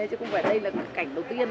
chứ không phải đây là cảnh đầu tiên